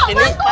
itu kenapa tuh